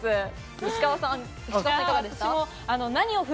石川さんはいかがですか？